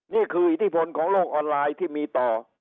อิทธิพลของโลกออนไลน์ที่มีต่อ